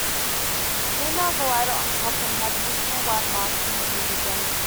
Females are lighter on top and have additional white marking near the genitals.